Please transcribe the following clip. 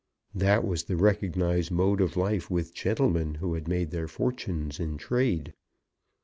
That was the recognised mode of life with gentlemen who had made their fortunes in trade.